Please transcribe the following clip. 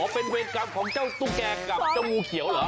เป็นเวรกรรมของเจ้าตุ๊กแก่กับเจ้างูเขียวเหรอ